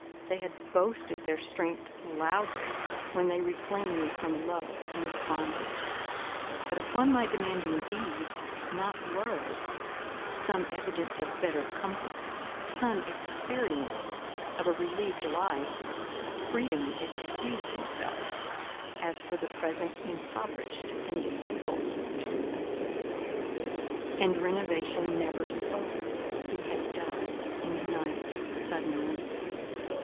They had boasted their strength loudly when they reclaimed me from love and its bondage, but upon my demanding deeds, not words, some evidence of better comfort, some experience of a relieved life—Freedom excused himself, as for the present impoverished and disabled to assist; and Renovation never spoke; he had died in the night suddenly.